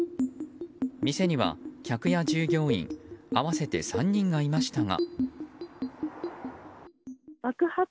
店には、客や従業員合わせて３人がいましたが。